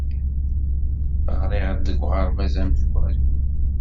Ɣriɣ deg uɣerbaz amezwaru.